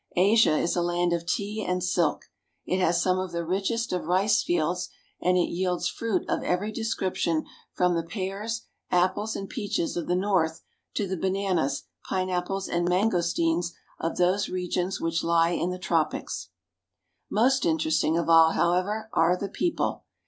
Asia is a land of tea and silk. It has some of the richest of rice fields ; and it yields fruit of every description from the pears, apples, and peaches of the north to the bananas, pineapples, and mangosteens of those regions which lie in the tropics^ INTRODUCTION 1 5 Most interesting of all, however, are the people.